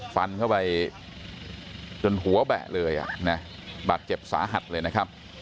ฟันเข้าไปจนหัวแบะเลยนะบาดเจ็บสาหัสเลยนะครับ